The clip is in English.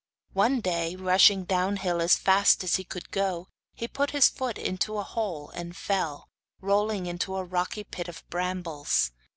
One day, rushing downhill as fast as he could go, he put his foot into a hole and fell, rolling into a rocky pit of brambles.